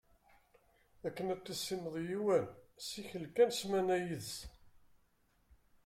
Akken ad tissineḍ yiwen, ssikel kan ssmana yid-s.